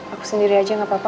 aku sendiri aja gak apa apa